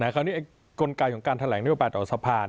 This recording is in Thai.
คราวนี้กลไกของการแถลงนโยบายต่อสะพาน